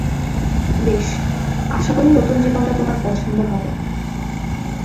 বেশ, আশা করি নতুন জীবনটা তোমার পছন্দ হবে।